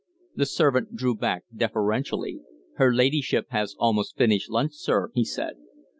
The servant drew back deferentially. "Her ladyship has almost finished lunch, sir," he said.